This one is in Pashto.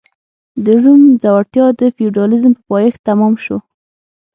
د روم ځوړتیا د فیوډالېزم په پایښت تمام شو